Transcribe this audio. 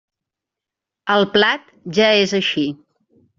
El plat ja és així.